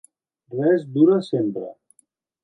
Res dura sempre.